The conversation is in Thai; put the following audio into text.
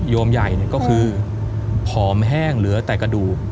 มใหญ่ก็คือผอมแห้งเหลือแต่กระดูก